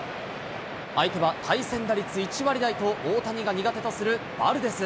相手は対戦打率１割台と、大谷が苦手とするバルデス。